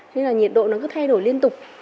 thế là nhiệt độ nó cứ thay đổi liên tục